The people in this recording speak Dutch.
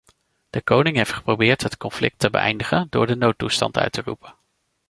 De koning heeft geprobeerd het conflict te beëindigen door de noodtoestand uit te roepen.